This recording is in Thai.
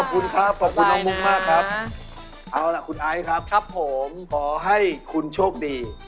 ไปไหนดี้ไปไหนดี้